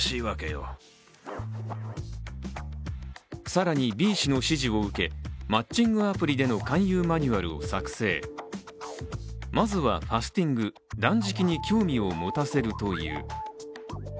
更にＢ氏の指示を受けマッチングアプリでの勧誘マニュアルを作成、まずはファスティング、断食に興味を持たせるという。